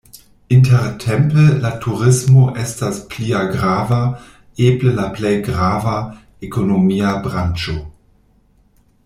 Intertempe la turismo estas plia grava, eble la plej grava, ekonomia branĉo.